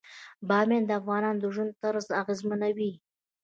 بامیان د افغانانو د ژوند طرز اغېزمنوي.